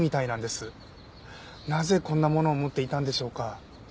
なぜこんなものを持っていたんでしょうか？